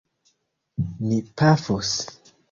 Ni pafos.